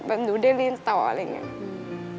หนูได้เรียนต่ออะไรอย่างนี้